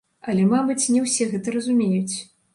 Але, мабыць, не ўсе гэта разумеюць.